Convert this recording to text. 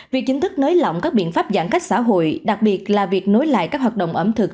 việc chính thức nới lỏng các biện pháp giãn cách xã hội đặc biệt là việc nối lại các hoạt động ẩm thực